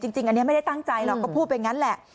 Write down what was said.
จริงอันนี้ไม่ได้ตั้งใจหรอกก็พูดไปงั้นแหละ